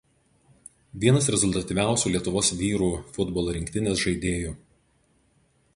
Vienas rezultatyviausių Lietuvos vyrų futbolo rinktinės žaidėjų.